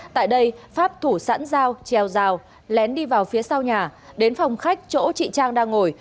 tại đây pháp thủ sẵn dao treo rào lén đi vào phía sau nhà đến phòng khách chỗ chị trang đang ngồi